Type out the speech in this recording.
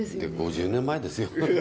５０年前ですよ。